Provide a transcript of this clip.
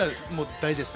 大事です。